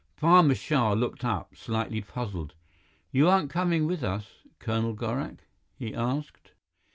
Barma Shah looked up, slightly puzzled. "You aren't coming with us, Colonel Gorak?" he asked.